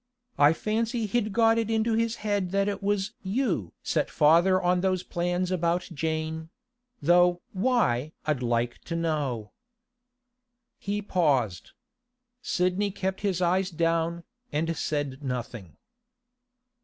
I fancy he'd got it into his head that it was you set father on those plans about Jane—though why I'd like to know.' He paused. Sidney kept his eyes down, and said nothing.